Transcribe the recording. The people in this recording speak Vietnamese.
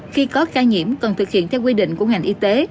khi có ca nhiễm cần thực hiện theo quy định của ngành y tế